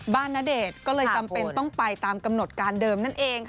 ณเดชน์ก็เลยจำเป็นต้องไปตามกำหนดการเดิมนั่นเองค่ะ